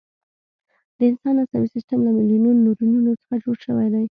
د انسان عصبي سیستم له میلیونونو نیورونونو څخه جوړ شوی دی.